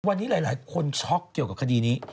วันนี้หลายคนช็อกเกี่ยวกับคดีนี้